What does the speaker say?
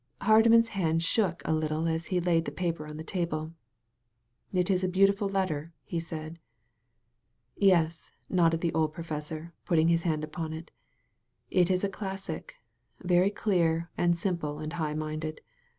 *' Hardman's hand shook a little as he laid the paper on the table. "It is a beautiful letter," he said. "Yes," nodded the old professor, putting his hand upon it; "it is a classic; very clear and simple and high minded.